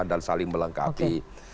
dan saling melengkapi